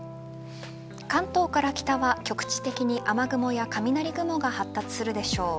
関東から北は局地的に雨雲や雷雲が発達するでしょう。